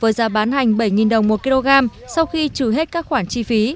với giá bán hành bảy đồng một kg sau khi trừ hết các khoản chi phí